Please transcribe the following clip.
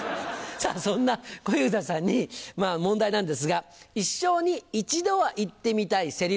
さぁそんな小遊三さんに問題なんですが「一生に一度は言ってみたいセリフ」